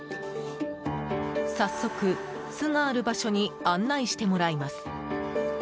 早速、巣がある場所に案内してもらいます。